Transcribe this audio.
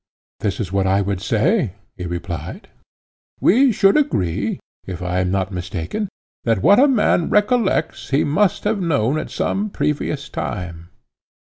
This is what I would say, he replied:—We should agree, if I am not mistaken, that what a man recollects he must have known at some previous time.